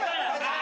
あ！